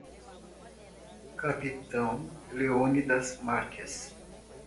Capitão Leônidas Marques